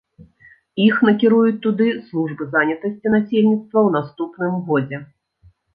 Іх накіруюць туды службы занятасці насельніцтва ў наступным годзе.